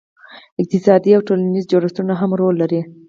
اقتصادي او ټولنیز جوړښتونه هم رول لري.